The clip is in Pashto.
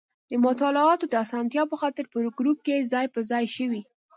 د مطالعاتو د اسانتیا په خاطر په ګروپ کې ځای په ځای شوي.